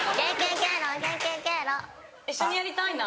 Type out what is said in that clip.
一緒にやりたいな。